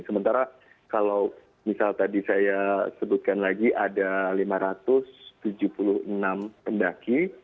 sementara kalau misal tadi saya sebutkan lagi ada lima ratus tujuh puluh enam pendaki